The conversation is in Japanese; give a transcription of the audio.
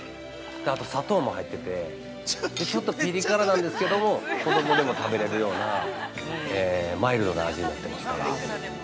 あと砂糖も入っていて、ちょっとピリ辛なんですけども子供でも食べれるようなマイルドな味になってますから。